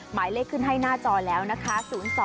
หมายเลขขึ้นให้หน้าจอแล้วนะคะ